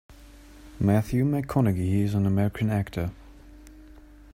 Matthew McConaughey is an American actor.